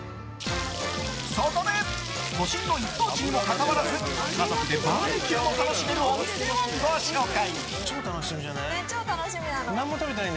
そこで都心の一等地にもかかわらず家族でバーベキューも楽しめるお店をご紹介。